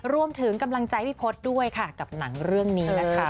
รวมถึงกำลังใจพี่พศด้วยค่ะกับหนังเรื่องนี้นะคะ